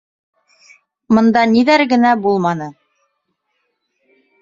Мында ниҙәр генә булманы!